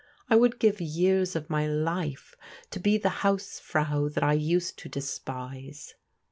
I would give years of my life to be the house frau that I used to desfnse."